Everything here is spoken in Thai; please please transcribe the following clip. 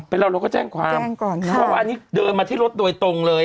เป็นเราเราก็แจ้งความแจ้งก่อนนะเพราะว่าอันนี้เดินมาที่รถโดยตรงเลย